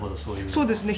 そうですね。